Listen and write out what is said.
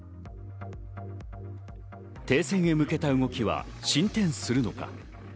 停戦へ向けた動きが進展するのか。